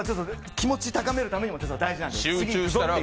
気持ち高めるためにも必要なんです。